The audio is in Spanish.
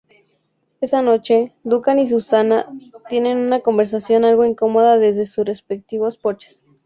Esa noche, Duncan y Susanna tienen una conversación algo incómoda desde sus respectivos porches.